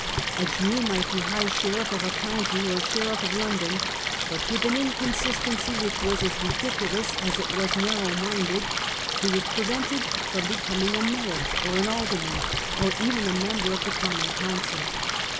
A Jew might be high sheriff of a county, or Sheriff of London, but with an inconsistency which was as ridiculous as it was narrow minded, he was prevented from becoming a mayor, an alderman, or even a member of the Common Council.